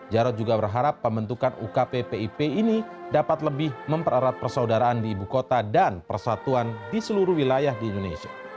jarod juga berharap pembentukan ukppip ini dapat lebih mempererat persaudaraan di ibu kota dan persatuan di seluruh wilayah di indonesia